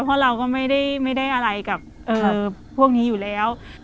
เพราะเราก็ไม่ได้อะไรกับพวกนี้อยู่แล้ว